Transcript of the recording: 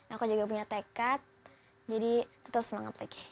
aku juga punya tekad jadi tetap semangat lagi